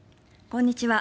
こんにちは。